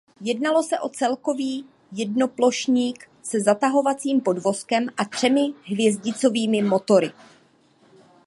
Jednalo se o celokovový jednoplošník se zatahovacím podvozkem a třemi hvězdicovými motory.